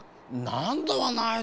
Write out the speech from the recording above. なんだはないよ